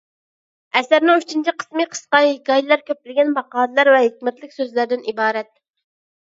ئەسەرنىڭ ئۈچىنچى قىسمى قىسقا ھېكايىلەر، كۆپلىگەن ماقالىلەر ۋە ھېكمەتلىك سۆزلەردىن ئىبارەت.